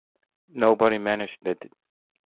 Nobody managed it.